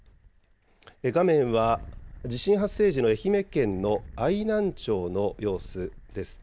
画面は地震発生時の愛媛県の愛南町の様子です。